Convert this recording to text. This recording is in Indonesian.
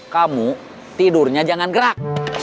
kamu tidurnya jangan gerak